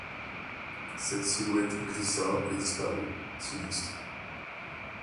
Cette silhouette glissa et disparut, sinistre.